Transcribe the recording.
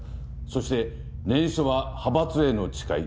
そして念書は派閥への誓い。